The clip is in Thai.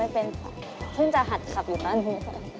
เพิ่งจะหัดขับอยู่ตอนนี้